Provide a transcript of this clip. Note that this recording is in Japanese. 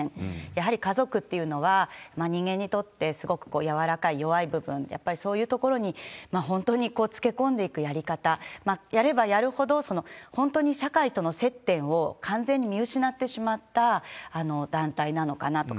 やはり家族っていうのは、人間にとってすごく柔らかい、弱い部分、やっぱりそういうところに本当につけ込んでいくようなやり方、やればやるほど、本当に社会との接点を完全に見失ってしまった団体なのかなと。